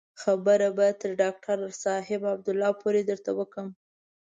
خبره به تر ډاکتر صاحب عبدالله پورې درته وکړم.